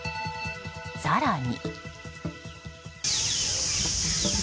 更に。